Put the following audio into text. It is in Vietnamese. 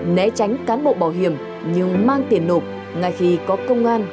né tránh cán bộ bảo hiểm nhưng mang tiền nộp ngay khi có công an